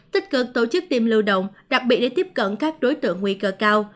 tích cực tổ chức tiêm lưu động đặc biệt để tiếp cận các đối tượng nguy cơ cao